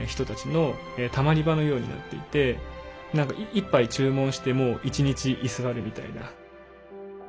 １杯注文しても１日居座るみたいな。